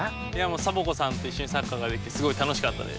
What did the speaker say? サボ子さんといっしょにサッカーができてすごいたのしかったです。